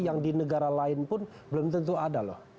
yang di negara lain pun belum tentu ada loh